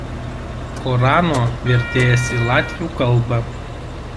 Korano vertėjas į latvių kalbą.